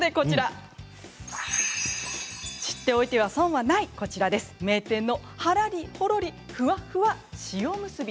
知っておいては損はないこちら名店のはらりほろりふわっふわ塩むすび。